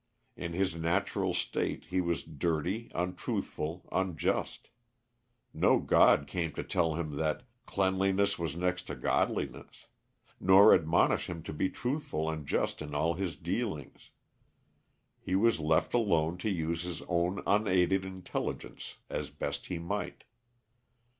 In his natural state he was dirty, untruthful, unjust. No god came to tell him that "cleanliness was next to godliness;" nor admonish him to be truthful and just in all his dealings. He was left alone to use his own unaided intelligence as best he might.